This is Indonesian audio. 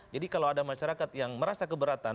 jadi kalau ada masyarakat yang merasa keberatan